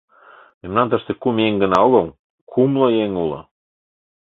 Мемнан тыште кум еҥ гына огыл, кумло еҥ уло.